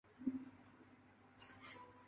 轻声不标调。